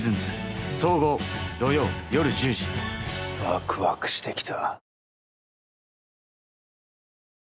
ワクワクしてきた。